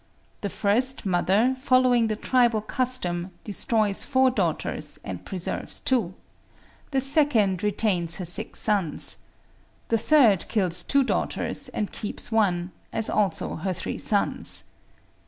The first mother, following the tribal custom, destroys four daughters and preserves two. The second retains her six sons. The third kills two daughters and keeps one, as also her three sons.